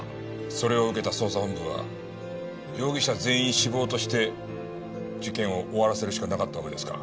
それを受けた捜査本部は容疑者全員死亡として事件を終わらせるしかなかったわけですか。